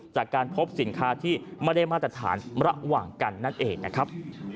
จากการพบสินค้าที่ไม่ได้มาตรฐานระหว่างกันนั่นเองนะครับ